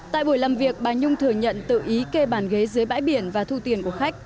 tại buổi làm việc bà nhung thừa nhận tự ý kê bàn ghế dưới bãi biển và thu tiền của khách